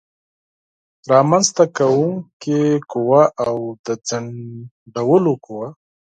رامنځته کوونکې قوه او د ځنډولو قوه